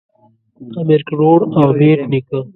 امیر کروړ او بېټ نیکه